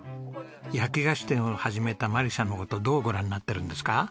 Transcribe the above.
焼き菓子店を始めた眞理さんの事どうご覧になってるんですか？